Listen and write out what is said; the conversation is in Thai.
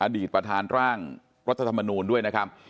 อดีตประธานร่างรัฐธรรมนูลด้วยนะครับ